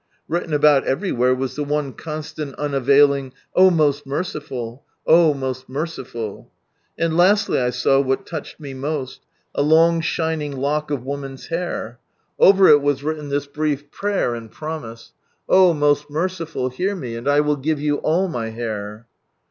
Written about everywhere was the one constant unavailing "Oh ciful ! Oh n cifull" And lastly I saw what touched me most, a long shining lock of woman's hair : over it was written this brief prayer and promise,— " Oh most merciful, hear me, and I will give you all my hair